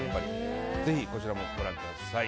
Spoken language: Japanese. ぜひ、こちらもご覧ください。